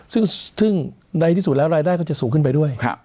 ซึ่งในที่สุดแล้วรายได้ก็จะสูงขึ้นไปด้วย